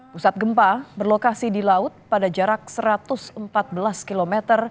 pusat gempa berlokasi di laut pada jarak satu ratus empat belas km